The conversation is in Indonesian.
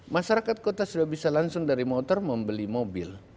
masyarakat kota sudah bisa langsung dari motor membeli mobil